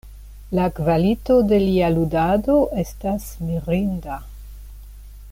La kvalito de lia ludado estas mirinda.